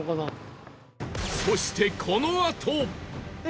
そしてこのあと！